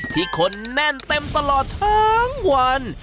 ที่คนแน่นเต็มตลอดทั้งวัน